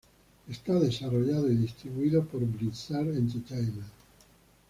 Está desarrollado y distribuido por Blizzard Entertainment.